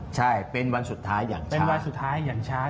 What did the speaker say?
ใช่เป็นวันสุดท้ายอย่างช้า